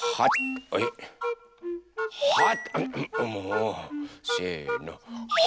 せの。